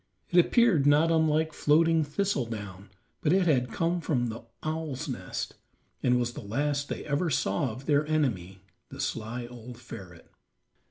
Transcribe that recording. It appeared not unlike floating thistle down, but it had come from the owl's nest, and was the last they ever saw of their enemy, the sly old ferret.